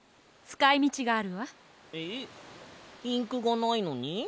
えっインクがないのに？